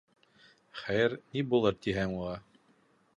Хәйер, ни булыр тиһең уға...